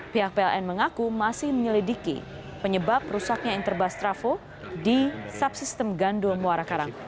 pihak pln mengaku masih menyelidiki penyebab rusaknya interbas trafo di subsistem gandul muara karang